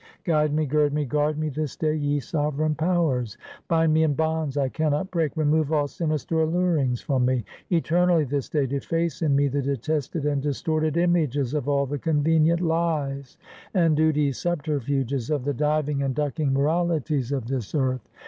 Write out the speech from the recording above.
Guide me, gird me, guard me, this day, ye sovereign powers! Bind me in bonds I can not break; remove all sinister allurings from me; eternally this day deface in me the detested and distorted images of all the convenient lies and duty subterfuges of the diving and ducking moralities of this earth.